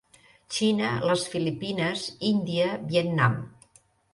Xina, les Filipines, Índia, Vietnam.